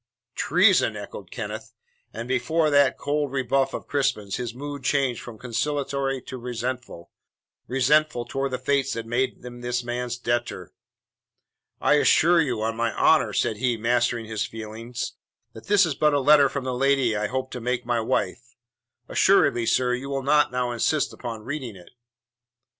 "Treason!" echoed Kenneth. And before that cold rebuff of Crispin's his mood changed from conciliatory to resentful resentful towards the fates that made him this man's debtor. "I assure you, on my honour," said he, mastering his feelings, "that this is but a letter from the lady I hope to make my wife. Assuredly, sir, you will not now insist upon reading it."